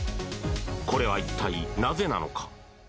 これは一体なぜなのか。